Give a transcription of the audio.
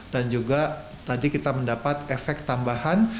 dan juga tadi kita mendapat efek tambahan